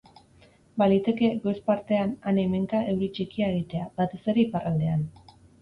Baliteke, goiz partean, han-hemenka euri txikia egitea, batez ere iparraldean.